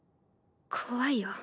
怖いよ。